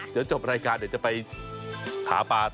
เดี๋ยวจบรายการเดี๋ยวจะไปหาปลา